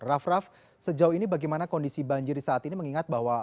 raff raff sejauh ini bagaimana kondisi banjir saat ini mengingat bahwa